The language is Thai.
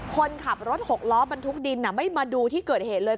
คนขับรถหกล้อบรรทุกดินไม่มาดูที่เกิดเหตุเลย